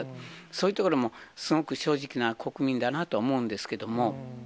そういうところも、すごく正直な国民だなと思うんですけれども。